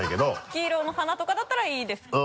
「黄色の花」とかだったらいいですけど。